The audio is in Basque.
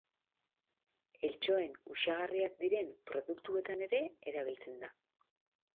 Eltxoen uxagarriak diren produktuetan ere erabiltzen da.